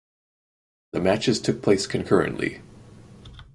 The matches took place concurrently.